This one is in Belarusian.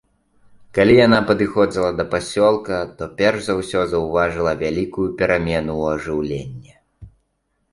Калі яна падыходзіла да пасёлка, то перш за ўсё заўважыла вялікую перамену ў ажыўленні.